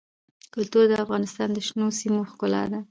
کلتور د افغانستان د شنو سیمو ښکلا ده.